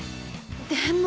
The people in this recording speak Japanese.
でも。